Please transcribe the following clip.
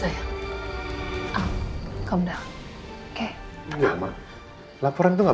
ya kamu harus tenang